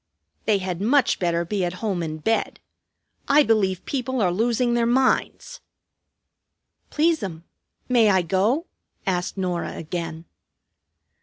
"They had much better be at home in bed. I believe people are losing their minds!" "Please'm, may I go?" asked Norah again.